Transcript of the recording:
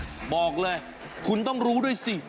บอกเลยคุณต้องรู้ด้วยสิ